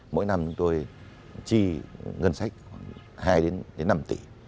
mỗi năm chúng tôi tri ngân sách hai năm tỷ